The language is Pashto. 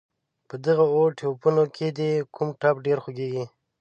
په دغه اووه ټپونو کې دې کوم ټپ ډېر خوږېږي.